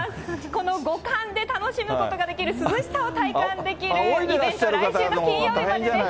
この五感で楽しむことができる涼しさを体感できるイベント、来週の金曜日までです。